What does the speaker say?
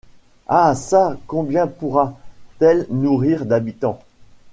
Ah, çà! combien pourra-t-elle nourrir d’habitants?